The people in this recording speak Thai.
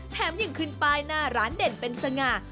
แถมอย่างขึ้นไปหน้าร้านเด่นเป็นสง่า